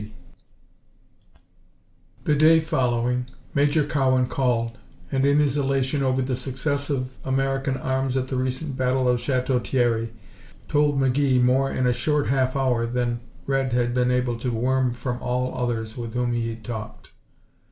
3 The day following, Major Cowan called, and in his elation over the success of American arms at the recent battle of Chateau Thierry, told McGee more in a short half hour than Red had been able to worm from all others with whom he talked.